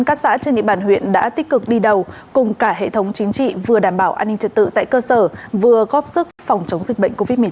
các xã trên địa bàn huyện đã tích cực đi đầu cùng cả hệ thống chính trị vừa đảm bảo an ninh trật tự tại cơ sở vừa góp sức phòng chống dịch bệnh covid một mươi chín